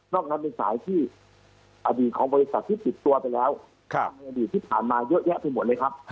นั้นเป็นสายที่อดีตของบริษัทที่ติดตัวไปแล้วในอดีตที่ผ่านมาเยอะแยะไปหมดเลยครับ